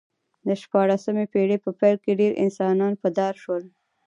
د شپاړسمې پېړۍ په پیل کې ډېر انسانان په دار شول